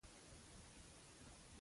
څوک دې یې یوه وړه بېلګه وښيي.